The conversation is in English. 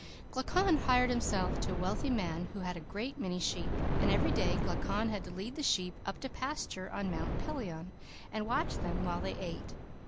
"Glaucon hired himself to a wealthy man who had a great many sheep. And every day Glaucon had to lead the sheep up to pasture on Mount Pelion, and watch them while they ate.